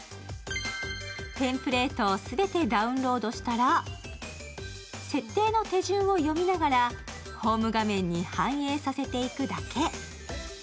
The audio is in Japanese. テンプレートを全てダウンロードしたら、設定の手順を読みながらホーム画面に反映させていくだけ。